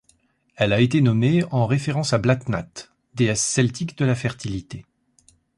Elle a été nommée en référence à Blathnat, déesse celtique de la fertilité.